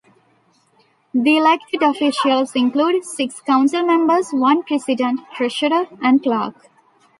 The elected officials include: six council members, one president, treasurer and clerk.